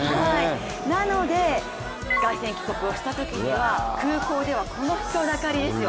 なので、凱旋帰国をしたときには空港ではこの人だかりですよ。